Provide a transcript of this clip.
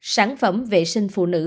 sản phẩm vệ sinh phụ nữ